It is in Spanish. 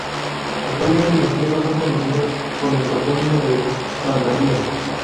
Actualmente sus tierras son conocidas con el topónimo de "Santa Pía".